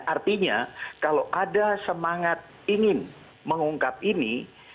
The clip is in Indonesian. artinya kalau ada semangat ingin mengungkap ini